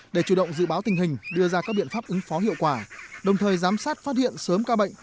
để chủ động dự báo tình hình đưa ra các biện pháp ứng phó hiệu quả đồng thời giám sát phát hiện sớm ca bệnh